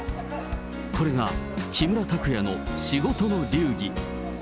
これが木村拓哉の仕事の流儀。